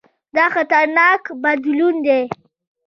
دا خطرناک بدلون دی.